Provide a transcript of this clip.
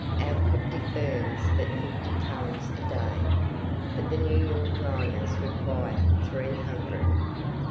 Our "Coptic" burns but fifty tons a day, but the New York liners require three hundred.